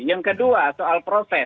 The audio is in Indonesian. yang kedua soal proses